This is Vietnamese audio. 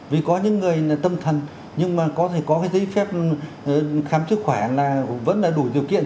vì có những người tâm thần nhưng mà có thể có cái giấy phép khám sức khỏe là vẫn là đủ điều kiện